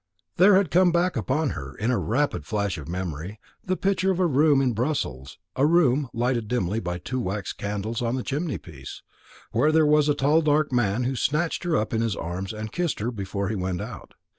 There had come back upon her, in a rapid flash of memory, the picture of a room in Brussels a room lighted dimly by two wax candles on the chimney piece, where there was a tall dark man who snatched her up in his arms and kissed her before he went out.